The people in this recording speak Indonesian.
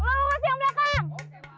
bak lu eli kecium belakang